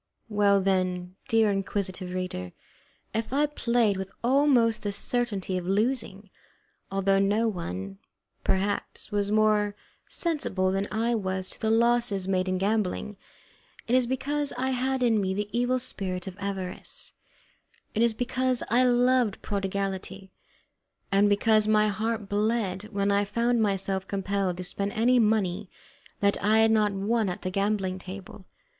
Well, then, dear inquisitive reader, if I played with almost the certainty of losing, although no one, perhaps, was more sensible than I was to the losses made in gambling, it is because I had in me the evil spirit of avarice; it is because I loved prodigality, and because my heart bled when I found myself compelled to spend any money that I had not won at the gaming table.